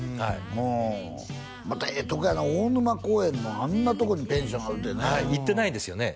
うんまたええとこやな大沼公園のあんなとこにペンションあるってねはい行ってないですよね？